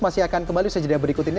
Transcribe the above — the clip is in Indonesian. masih akan kembali sejadah berikut ini